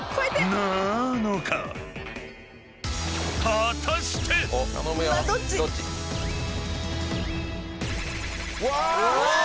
［果たして⁉］うわ！